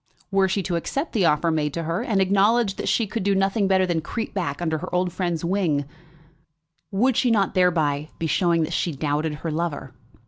Were she to accept the offer made to her, and acknowledge that she could do nothing better than creep back under her old friend's wing, would she not thereby be showing that she doubted her lover?